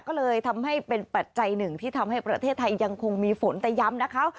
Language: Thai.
ก็เลยทำให้เป็นปัจจัยหนึ่งที่ทำให้ประเทศไทยยังคงมีฝนแต่ย้ำนะคะ